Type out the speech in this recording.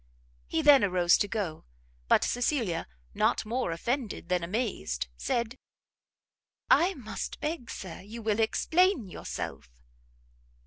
He then arose to go, but Cecilia, not more offended than amazed, said, "I must beg, Sir, you will explain yourself!"